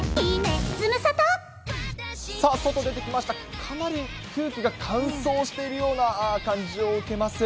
かなり空気が乾燥しているような感じを受けます。